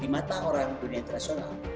di mata orang dunia internasional